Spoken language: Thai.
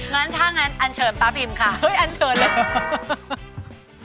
งั้นถ้างั้นอันเชิญป๊าพิมค่ะอันเชิญเลย